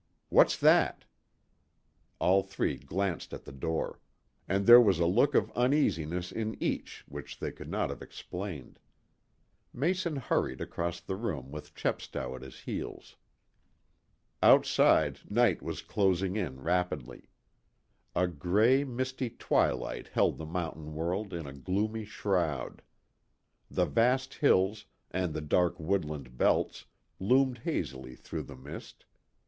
What's that?" All three glanced at the door. And there was a look of uneasiness in each which they could not have explained. Mason hurried across the room with Chepstow at his heels. Outside, night was closing in rapidly. A gray, misty twilight held the mountain world in a gloomy shroud. The vast hills, and the dark woodland belts, loomed hazily through the mist.